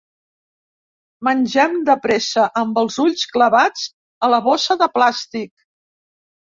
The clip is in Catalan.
Mengem de pressa, amb els ulls clavats a la bossa de plàstic.